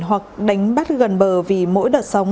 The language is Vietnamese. hoặc đánh bắt gần bờ vì mỗi đợt sông